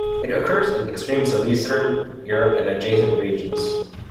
It occurs in extreme southeastern Europe and adjacent regions.